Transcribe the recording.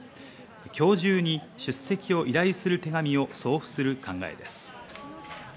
今日中に出席を依頼する手紙を送付する考えです。